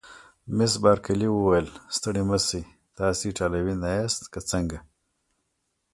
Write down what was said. مس بارکلي وویل: ستړي مه شئ، تاسي ایټالوي نه یاست که څنګه؟